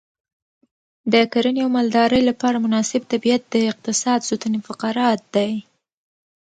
د کرنې او مالدارۍ لپاره مناسب طبیعت د اقتصاد ستون فقرات دی.